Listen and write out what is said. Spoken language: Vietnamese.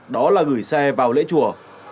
đó là gửi xe vào lễ chùa